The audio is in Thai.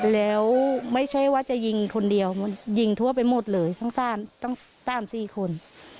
แล้วไม่ใช่ว่าจะยิงคนเดียวยิงทั่วไปหมดเลยต้องตามสี่คน